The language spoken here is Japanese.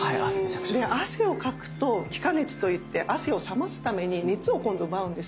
で汗をかくと気化熱といって汗を冷ますために熱を今度奪うんですよ。